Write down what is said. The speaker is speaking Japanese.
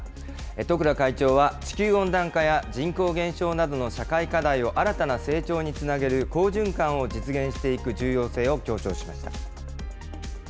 十倉会長は地球温暖化や、人口減少などの社会課題を新たな成長につなげる好循環を実現していく重要性を強調しました。